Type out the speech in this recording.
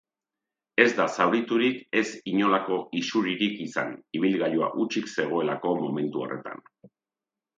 Ez da zauriturik ez inolako isuririk izan, ibilgailua hutsik zegoelako momentu horretan.